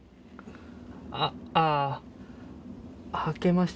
あっあぁ。